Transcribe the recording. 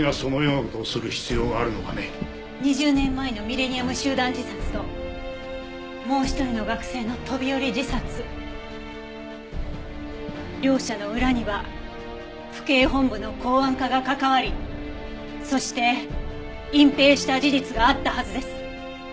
２０年前のミレニアム集団自殺ともう一人の学生の飛び降り自殺両者の裏には府警本部の公安課が関わりそして隠蔽した事実があったはずです。